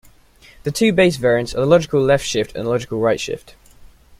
The two base variants are the logical left shift and the logical right shift.